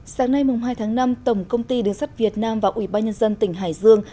sáng nay hai tháng năm tổng công ty đường sắt việt nam và ủy ban nhân dân tỉnh hải dương